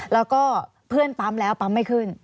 แล้วก็เพื่อนปั๊มแล้วปั๊มไม่ขึ้น